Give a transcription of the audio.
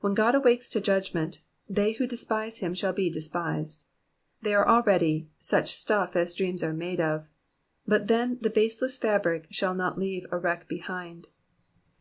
When God awakes to judgment, they who despise him shall be despised ; they are already *' such stuff as dreams are made of," but then the baseless fabric shall not leave a wreck behind.